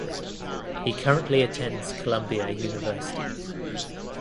He currently attends Columbia University.